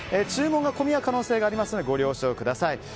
注文が混み合う可能性がありますのでご了承ください。